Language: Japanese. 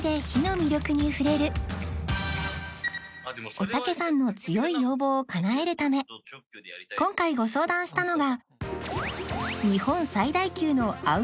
おたけさんの強い要望をかなえるため今回ご相談したのが